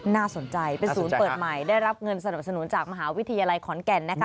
น่าสนใจเป็นศูนย์เปิดใหม่ได้รับเงินสนับสนุนจากมหาวิทยาลัยขอนแก่น